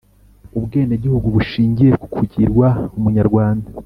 ubwenegihugu bushingiye ku kugirwa umunyarwanda